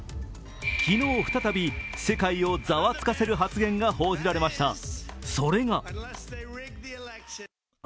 昨日、再び世界をざわつかせる発言が報じられました。